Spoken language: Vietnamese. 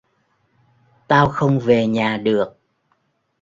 Tao không về nhà được